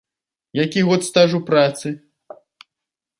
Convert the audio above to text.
Які год стажу працы?